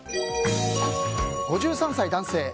５３歳、男性。